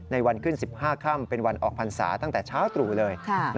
วันขึ้น๑๕ค่ำเป็นวันออกพรรษาตั้งแต่เช้าตรู่เลย